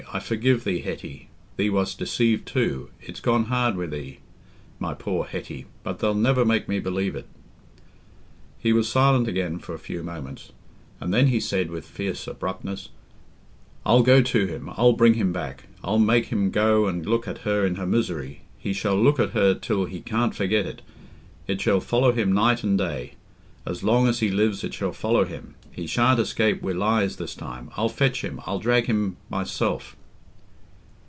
I forgive thee, Hetty... thee wast deceived too... it's gone hard wi' thee, my poor Hetty... but they'll never make me believe it." He was silent again for a few moments, and then he said, with fierce abruptness, "I'll go to him—I'll bring him back—I'll make him go and look at her in her misery—he shall look at her till he can't forget it—it shall follow him night and day—as long as he lives it shall follow him—he shan't escape wi' lies this time—I'll fetch him, I'll drag him myself."